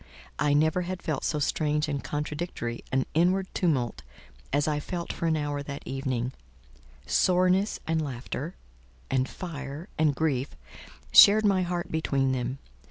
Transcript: I never had felt so strange and contradictory an inward tumult as I felt for an hour that evening: soreness and laughter, and fire, and grief, shared my heart between them.